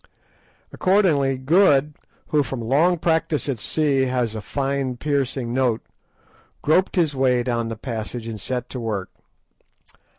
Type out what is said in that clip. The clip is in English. Accordingly Good, who, from long practice at sea, has a fine piercing note, groped his way down the passage and set to work.